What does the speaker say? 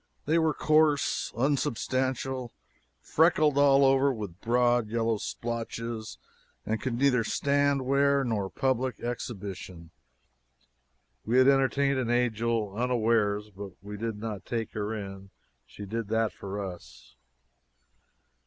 They were coarse, unsubstantial, freckled all over with broad yellow splotches, and could neither stand wear nor public exhibition. We had entertained an angel unawares, but we did not take her in. She did that for us.